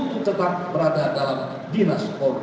untuk tetap berada dalam dinas polri